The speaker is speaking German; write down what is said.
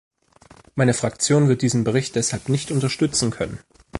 Meine Fraktion wird diesen Bericht deshalb nicht unterstützen können.